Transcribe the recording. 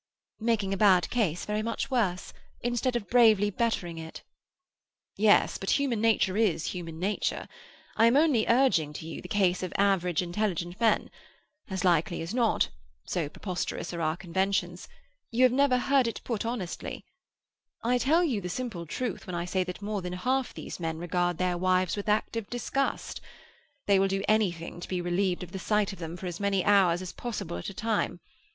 "Making a bad case very much worse, instead of bravely bettering it." "Yes, but human nature is human nature. I am only urging to you the case of average intelligent men. As likely as not—so preposterous are our conventions—you have never heard it put honestly. I tell you the simple truth when I say that more than half these men regard their wives with active disgust. They will do anything to be relieved of the sight of them for as many hours as possible at a time.